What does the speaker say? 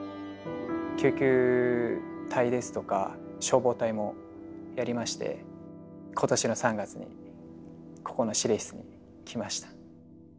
救急隊ですとか消防隊もやりまして今年の３月にここの指令室に来ました。